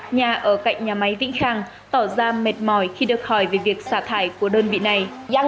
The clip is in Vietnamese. nhà ở cạnh nhà máy vĩnh khang tỏ ra mệt mỏi khi được hỏi về việc xả thải của đơn vị này